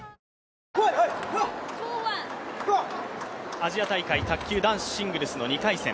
アジア大会卓球男子シングルスの２回戦。